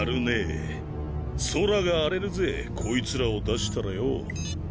宇宙が荒れるぜこいつらを出したらよぉ。